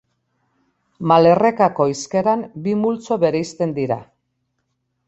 Malerrekako hizkeran bi multzo bereizten dira.